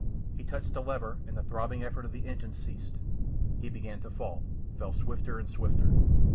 He touched a lever and the throbbing effort of the engine ceased. He began to fall, fell swifter and swifter.